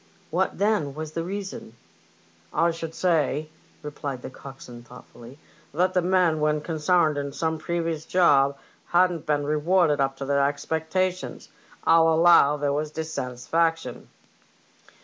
" What, then, was the reason ?"" I should say," replied the coxswain, thoughtfully, "that the men when consarned in some previous job hadn't been rewarded up to their expectations. 1*11 allow there was dissatisfaction."